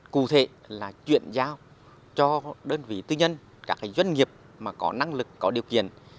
cụ thể là chuyển giao cho đơn vị tư nhân các doanh nghiệp có năng lực có điều kiện